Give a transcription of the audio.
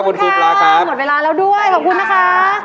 คลิปแล้วครับหมดเวลาแล้วด้วยขอบคุณนะคะ